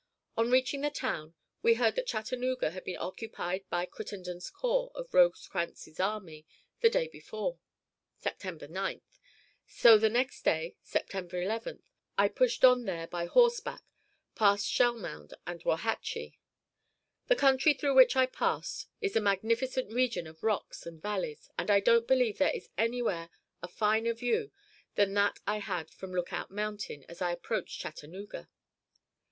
On reaching the town, we heard that Chattanooga had been occupied by Crittenden's corps of Rosecrans's army the day before, September 9th; so the next day, September 11th, I pushed on there by horseback past Shellmound and Wauhatchie. The country through which I passed is a magnificent region of rocks and valleys, and I don't believe there is anywhere a finer view than that I had from Lookout Mountain as I approached Chattanooga.